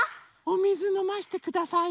おみずのましてください。